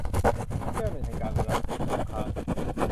เสี้ยวหนึ่งแห่งกาลเวลา - เพชรน้ำค้าง